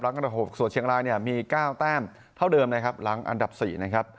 อันดับ๖ส่วนเชียงรายเนี่ยมี๙แต้มเท่าเดิมนะครับหลังอันดับ๔นะครับ